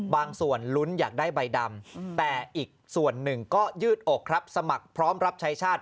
บางส่วนลุ้นอยากได้ใบดำแต่อีกส่วนหนึ่งก็ยืดอกครับสมัครพร้อมรับใช้ชาติ